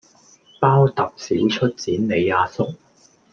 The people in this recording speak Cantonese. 包揼少出剪你阿叔